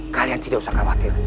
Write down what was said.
kalian tidak usah khawatir